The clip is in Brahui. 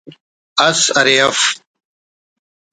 اس ارے اف